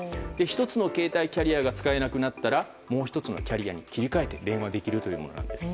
１つの携帯キャリアが使えなくなったらもう１つのキャリアに切り替えて電話ができると。